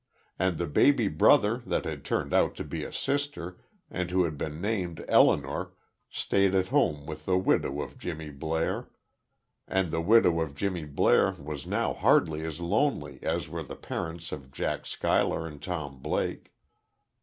And the baby brother that had turned out to be a sister, and who had been named Elinor, stayed at home with the widow of Jimmy Blair; and the widow of Jimmy Blair was now hardly as lonely as were the parents of Jack Schuyler and Tom Blake.